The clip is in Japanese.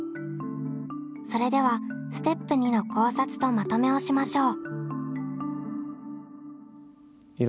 それではステップ２の考察とまとめをしましょう。